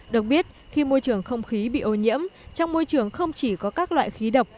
được biết khi môi trường không khí bị ô nhiễm trong môi trường không chỉ có các loại khí độc